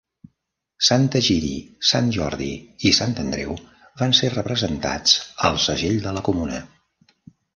Sant Egidi, Sant Jordi i Sant Andreu van ser representats al segell de la comuna.